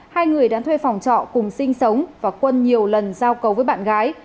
hai người đã thuê phòng trọ cùng sinh sống và quân nhiều lần giao cầu với bạn gái